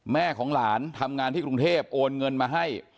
แม่ของหลานทำงานที่กรุงเทพโอนเงินมาให้